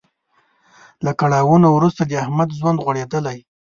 له کړاوونو وروسته د احمد ژوند غوړیدلی.